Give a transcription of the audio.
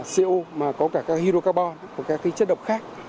co mà có cả các hydrocarbon có các cái chất độc khác